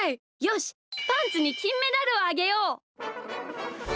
パンツにきんメダルをあげよう。